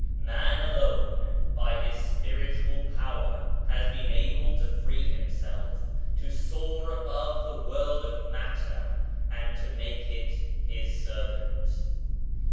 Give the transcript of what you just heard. Man alone, by his spiritual power has been able to free himself, to soar above the world of matter and to make it his servant.